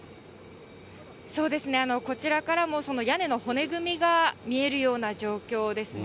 そうですね、こちらからも、その屋根の骨組みが見えるような状況ですね。